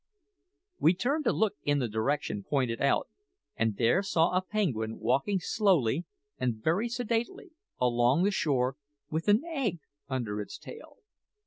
We turned to look in the direction pointed out, and there saw a penguin walking slowly and very sedately along the shore with an egg under its tail.